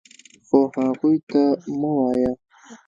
خو هغوی ته مه وایه .